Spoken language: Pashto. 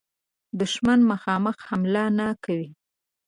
دښمن مخامخ حمله نه کوي.